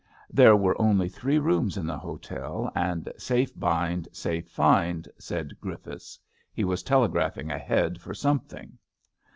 There were only three rooms in the hotel, and Safe bind, safe find,'' said Griffiths. He was telegraphing ahead for something.